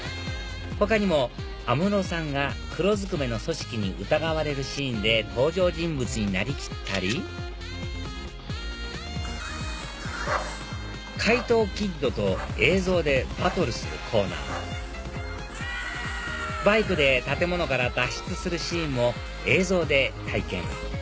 他にも安室さんが黒ずくめの組織に疑われるシーンで登場人物になりきったり怪盗キッドと映像でバトルするコーナーバイクで建物から脱出するシーンも映像で体験